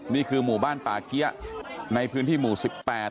นี่คือหมู่บ้านป่าเกี้ยในพื้นที่หมู่สิบแปด